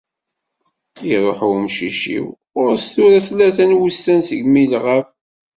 Iruḥ umcic-iw, ɣur-s tura tlata n wussan segmi iɣab.